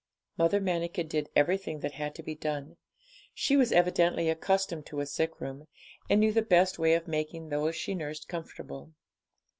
Mother Manikin did everything that had to be done. She was evidently accustomed to a sickroom and knew the best way of making those she nursed comfortable.